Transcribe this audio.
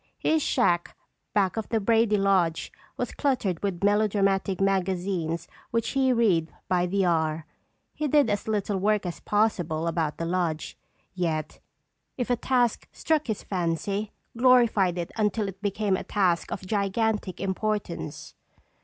His shack back of the Brady lodge was cluttered with melodramatic magazines which he read by the hour. He did as little work as possible about the lodge, yet if a task struck his fancy, glorified it until it became a task of gigantic importance.